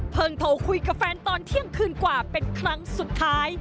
โทรคุยกับแฟนตอนเที่ยงคืนกว่าเป็นครั้งสุดท้าย